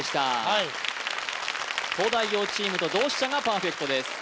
はい東大王チームと同志社がパーフェクトです